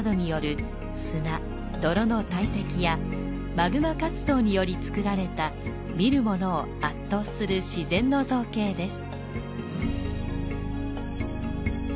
マグマ活動によりつくられた見る者を圧倒する自然の造形です。